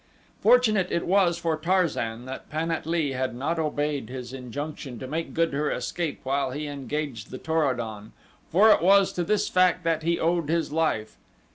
Fortunate it was for Tarzan that Pan at lee had not obeyed his injunction to make good her escape while he engaged the Tor o don, for it was to this fact that he owed his life.